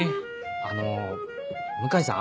あの向井さん？